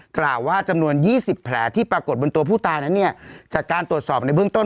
กล่าวว่าจำนวน๒๐แผลที่ปรากฏบนตัวผู้ตายนั้นเนี่ยจากการตรวจสอบในเบื้องต้น